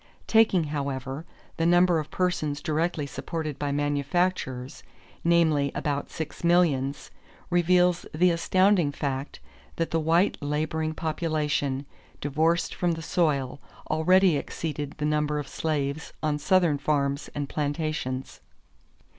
Taking, however, the number of persons directly supported by manufactures, namely about six millions, reveals the astounding fact that the white laboring population, divorced from the soil, already exceeded the number of slaves on Southern farms and plantations.